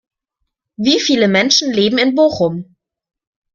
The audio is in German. Wie viele Menschen leben in Bochum?